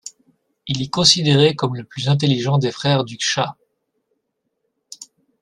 Il est considéré comme le plus intelligent des frères du chah.